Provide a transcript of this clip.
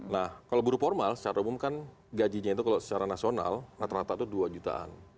nah kalau buru formal secara umum kan gajinya itu kalau secara nasional rata rata itu dua jutaan